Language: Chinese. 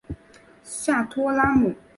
下托拉姆。